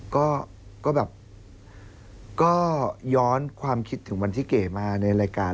ก็แบบก็ย้อนความคิดถึงวันที่เก๋มาในรายการ